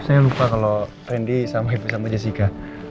saya lupa kalau randy sama happy sama jessica